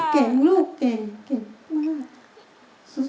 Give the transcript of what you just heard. เก่งลูกเก่งเก่งมาก